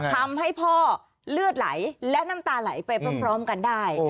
ทำให้พ่อเลือดไหลและน้ำตาไหลไปพร้อมกันได้